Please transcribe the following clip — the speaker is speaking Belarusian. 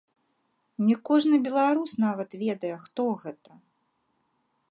Не кожны беларус нават ведае, хто гэта.